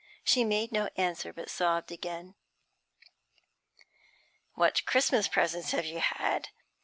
She made no answer, but sobbed again. 'What Christmas presents have you had?'